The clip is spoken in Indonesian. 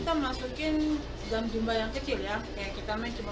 kita masukin dalam jumlah yang kecil ya